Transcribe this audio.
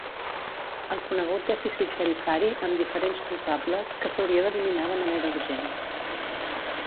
El conegut dèficit tarifari, amb diferents culpables, que s'hauria d'eliminar de manera urgent.